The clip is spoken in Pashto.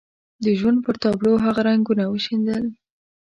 د ژوند پر تابلو هغه رنګونه وشيندل.